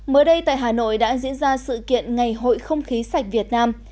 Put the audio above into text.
mới đây tại hà nội đã diễn ra sự kiện ngày hội không khí sạch việt nam